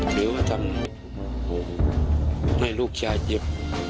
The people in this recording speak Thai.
ถือว่าทำให้ลูกชายเจ็บ